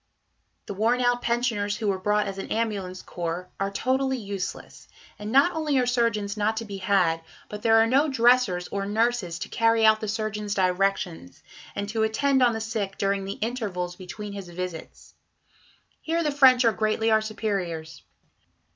The worn out pensioners who were brought as an ambulance corps are totally useless, and not only are surgeons not to be had, but there are no dressers or nurses to carry out the surgeon's directions, and to attend on the sick during the intervals between his visits. Here the French are greatly our superiors.